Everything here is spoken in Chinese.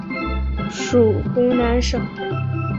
属湖南省。